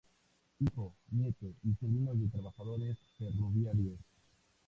Hijo, nieto y sobrino de trabajadores ferroviarios.